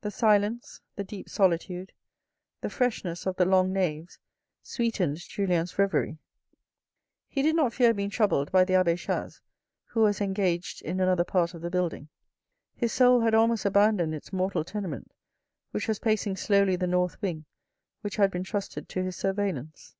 The silence, the deep solitude, the freshness of the long naves sweetened Julien's reverie. He did not fear being A PROCESSION 201 troubled by the abbe Chas, who was engaged in another part of the building. His soul had almost abandoned its mortal tenement, which was pacing slowly the north wing which had been trusted to his surveillance.